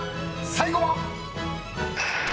最後は］